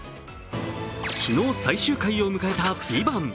昨日、最終回を迎えた「ＶＩＶＡＮＴ」。